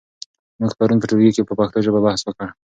موږ پرون په ټولګي کې په پښتو ژبه بحث وکړ.